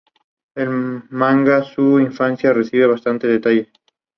Este detalle ha dado al edificio el sobrenombre de "Halo Building".